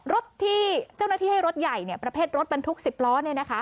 รถที่เจ้าหน้าที่ให้รถใหญ่เนี้ยประเภทรถบรรทุกสิบล้อเนี้ยนะคะ